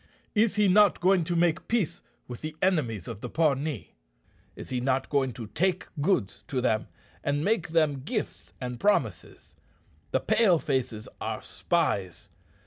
Is he not going to make peace with the enemies of the Pawnee? Is he not going to take goods to them, and make them gifts and promises? The Pale faces are spies.